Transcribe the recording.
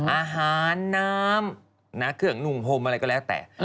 อาหารน้ำเครื่องนุ่งพรมอะไรก็แล้วแต่